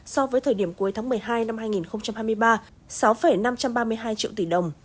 so với thời điểm cuối tháng một mươi hai năm hai nghìn hai mươi ba sáu năm trăm ba mươi hai triệu tỷ đồng